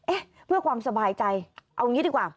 เอ๊ะเพื่อความสบายใจเอางี้ดีกว่า